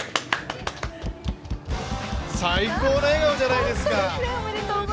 最高の笑顔じゃないですか。